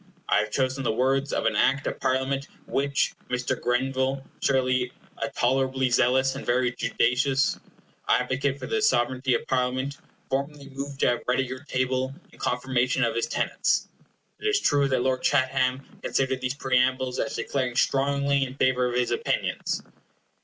I have chosen the words of an Act of Parliament which Mr. Grenville, surely a tolerably zealous and very judicious advocate for the sovereignty of Parliament, formerly moved to have read at your table in confirmation of his tenets. It is true that Lord Chatham considered these preambles as declaring strongly in favor of his opinions.